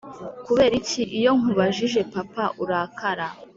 Kuberiki iyonkubajije papa urakara